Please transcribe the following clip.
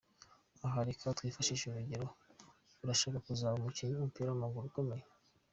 Aha reka twifashishe urugero, urashaka kuzaba umukinnyi w’umupira w’amaguru ukomeye.